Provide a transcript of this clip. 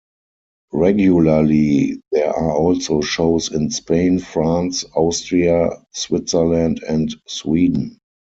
Regularly there are also shows in Spain, France, Austria, Switzerland and Sweden.